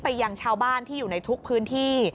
ยังชาวบ้านที่อยู่ในทุกพื้นที่